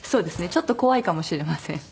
ちょっと怖いかもしれません。